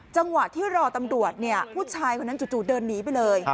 จังหวะที่รอตำรวจผู้ชายคนนั้นจู่เดินหนีไปเลย